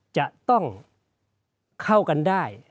จะต้องเข้ากันได้